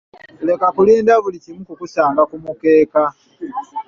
Leka kulinda buli kimu kukusanga ku mukeeka.